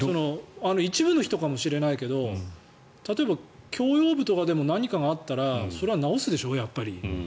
一部の人かもしれないけど例えば、共用部とかでも何かがあったらそれは直すでしょ、やっぱり。